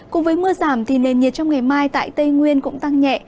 cùng với mưa giảm thì nền nhiệt trong ngày mai tại tây nguyên cũng tăng nhẹ